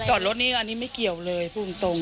จอดรถนี่อันนี้ไม่เกี่ยวเลยพูดตรง